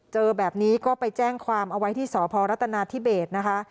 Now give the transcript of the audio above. เจอแบบนี้ก็ไปแจ้งความเอาไว้ที่สพรัฐนาธิเบสนะคะ